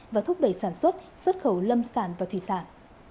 và thúc đẩy sản xuất xuất khẩu lâm sản và thủy sản